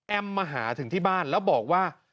มาหาถึงที่บ้านแล้วบอกว่า